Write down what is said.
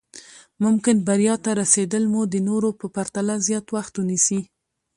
ممکن بريا ته رسېدل مو د نورو په پرتله زیات وخت ونيسي.